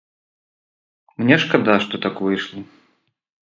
Мне шкада, што так выйшла.